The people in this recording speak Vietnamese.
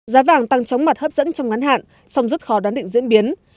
giá vàng tăng trống mặt hấp dẫn trong ngắn hạn xong rất khó đoán định diễn biến